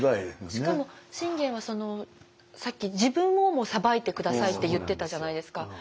しかも信玄はさっき自分をも裁いて下さいって言ってたじゃないですか。